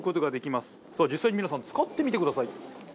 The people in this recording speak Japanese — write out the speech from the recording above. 実際に皆さん使ってみてください。